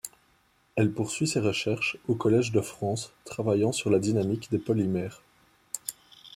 Elle poursuit ses recherches au Collège de France travaillant sur la dynamique des polymères.